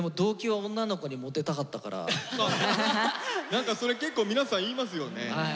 何かそれ結構皆さん言いますよね。